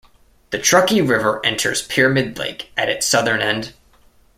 The Truckee River enters Pyramid Lake at its southern end.